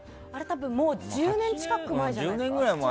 もう１０年近く前じゃないですか？